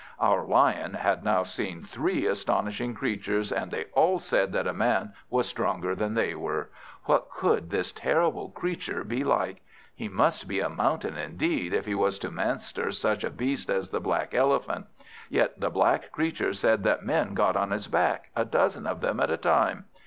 Our Lion had now seen three astonishing creatures, and they all said that a Man was stronger than they were. What could this terrible creature be like? He must be a mountain indeed, if he was to master such a beast as the black Elephant. Yet the black creature said that Men got on his back, a dozen of them at a time.